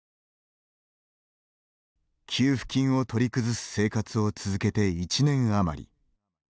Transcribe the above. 給付金を取り崩す生活を続けて１年余り。